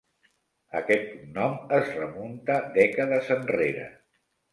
Aquest cognom es remunta dècades enrere.